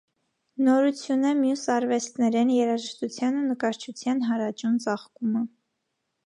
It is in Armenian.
Նորութիւն է միւս արուեստնէրէն երաժշտութեան ու նկարչութեան յարաճուն ծաղկումը։